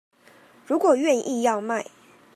如果願意要賣